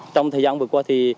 trong thời gian vừa qua